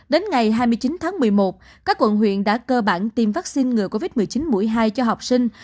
đến ngày hai mươi chín tháng một mươi một các quận huyện đã cơ bản tiêm vaccine ngừa covid một mươi chín mũi hai cho học sinh